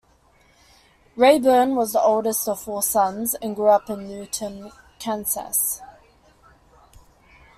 Rayburn was the oldest of four sons, and grew up in Newton, Kansas.